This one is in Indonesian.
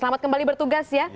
selamat kembali bertugas ya